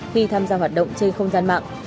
khi tham gia hoạt động trên không gian mạng